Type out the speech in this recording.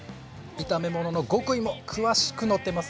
炒め物の極意も詳しく載っていますよ。